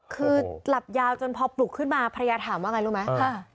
คือหลับยาวจนพอปลุกขึ้นมาภรรยาถามว่าไงรู้ไหม